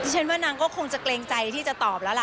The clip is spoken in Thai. ฉันว่านางก็คงจะเกรงใจที่จะตอบแล้วล่ะ